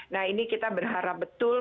nah ini kita berharap betul